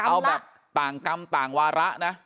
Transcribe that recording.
เอาแบบต่างกรรมต่างวาระนะ